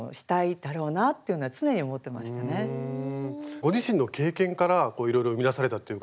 ご自身の経験からいろいろ生み出されたって伺ったんですが。